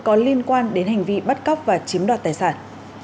có liên quan đến hành vi bắt cóc và chiếm đoạt tài sản